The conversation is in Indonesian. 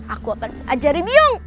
aku akan ajarin biong